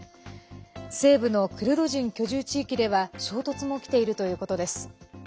西部のクルド人居住地域では衝突も起きているということです。